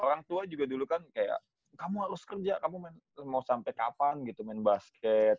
orang tua juga dulu kan kayak kamu harus kerja kamu mau sampai kapan gitu main basket